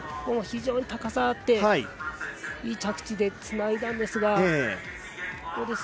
非常に高さがあっていい着地でつないだんですが。